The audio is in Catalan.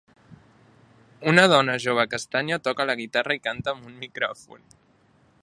Una dona jove castanya toca la guitarra i canta amb un micròfon.